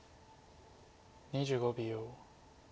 ２５秒。